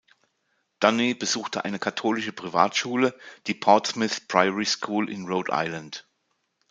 Dunne besuchte eine katholische Privatschule, die Portsmouth Priory School in Rhode Island.